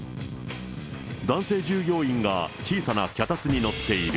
男性従業員が小さな脚立に乗っている。